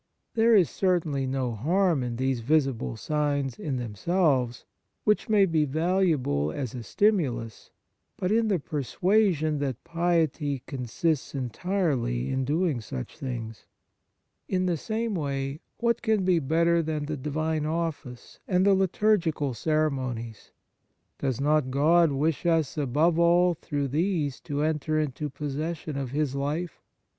There is certainly no harm in these visible signs in them selves, which may be valuable as a stimulus, but in the persuasion that piety consists entirely in doing such things. In the same way, what can be better than the Divine Office and the litur gical ceremonies ? Does not God wish us, above all, through these to enter into possession of His life